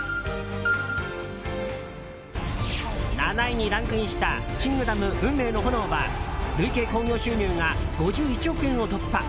７位にランクインした「キングダム運命の炎」は累計興行収入が５１億円を突破。